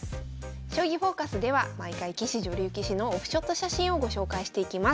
「将棋フォーカス」では毎回棋士女流棋士のオフショット写真をご紹介していきます。